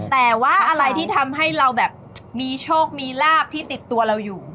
แต่ว่าอะไรที่ทำให้เราแบบมีโชคมีลาบที่ติดตัวเราอยู่